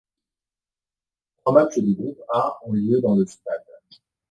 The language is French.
Trois matchs du groupe A ont lieu dans le stade.